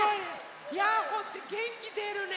ヤッホーってげんきでるね。